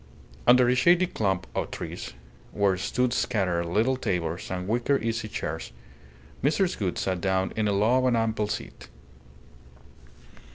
Under a shady clump of trees, where stood scattered little tables and wicker easy chairs, Mrs. Gould sat down in a low and ample seat.